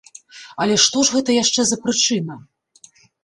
Але што ж гэта яшчэ за прычына?